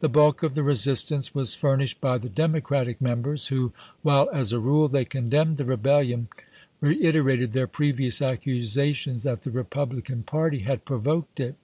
The bulk of the resistance was furnished by the Democratic members, who, while as a rule they condemned the EebeUion, reiterated their previous accusations that the Republican party had provoked it.